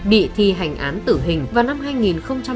bị thi hành án tử hình vào năm hai nghìn bốn